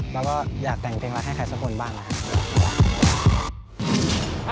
แล้วก็อยากแต่งเพลงรักให้ใครสักคนบ้างนะครับ